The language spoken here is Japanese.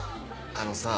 あのさ